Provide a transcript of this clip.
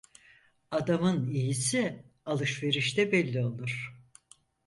Adamın iyisi alışverişte belli olur.